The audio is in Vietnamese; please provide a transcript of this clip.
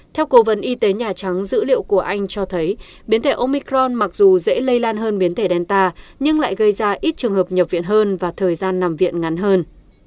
theo cố vấn y tế nhà trắng dữ liệu của anh cho thấy biến thể omicron mặc dù dễ lây lan hơn biến thể delta nhưng lại gây ra ít trường hợp nhập viện hơn và thời gian nằm viện ngắn hơn